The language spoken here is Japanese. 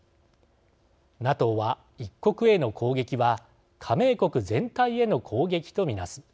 ＮＡＴＯは一国への攻撃は加盟国全体への攻撃と見なす。